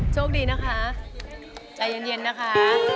โชคดีนะคะใจเย็นนะคะ